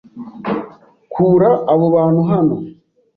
Kura abo bantu hano.